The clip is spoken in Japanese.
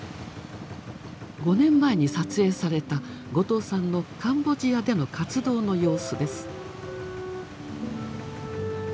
５年前に撮影された後藤さんのカンボジアでの活動の様子です。